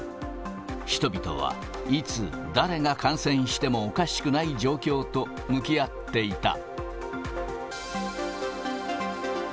人々はいつ、誰が感染してもおかしくない状況と向き合っていた。